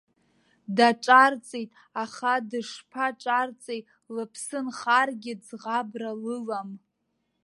Даҿарҵеит, аха дышԥаҿарҵеи, лыԥсы нхаргьы ӡӷабра лылам.